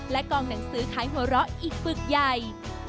และกองหนังสือขายหัวเราะอีกฝึกใหญ่